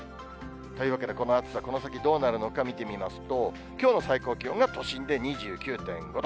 というわけで、この暑さ、この先どうなるのか、見てみますと、きょうの最高気温が都心で２９．５度。